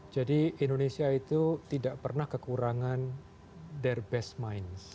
jadi indonesia itu tidak pernah kekurangan their best minds